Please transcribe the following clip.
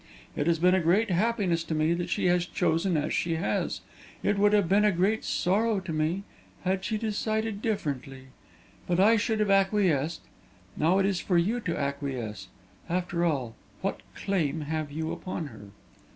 It has been a great happiness to me that she has chosen as she has; it would have been a great sorrow to me had she decided differently. But I should have acquiesced. Now it is for you to acquiesce. After all, what claim have you upon her?"